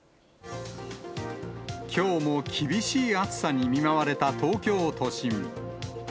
きょうも厳しい暑さに見舞われた東京都心。